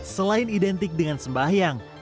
selain identik dengan sembahyang